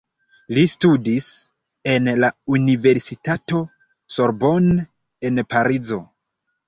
Li studis en la Universitato Sorbonne en Parizo.